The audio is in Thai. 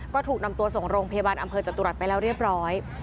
ก็ถูกนำตัวส่งโรงพยาบาลอำเภอจตุรัสไปแล้วเรียบร้อย